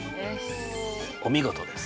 お見事です！